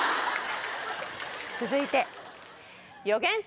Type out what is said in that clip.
続いて。